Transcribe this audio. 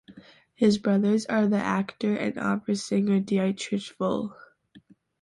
His brothers are the actor and the opera singer Dietrich Volle.